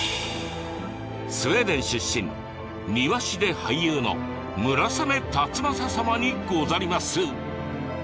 スウェーデン出身、庭師で俳優の村雨辰剛様にござります。